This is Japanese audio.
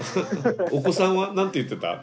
お子さんは何て言ってた？